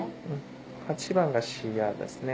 ８番がＣＲですね。